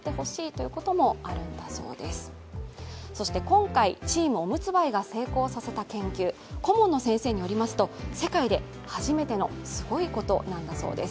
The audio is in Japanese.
今回チームおむつ灰が成功させた研究、顧問の先生によりますと、世界で初めてのすごいことなんだそうです。